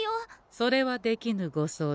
それはできぬご相談。